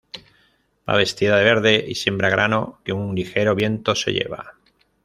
Va vestida de verde y siembra grano que un ligero viento se lleva.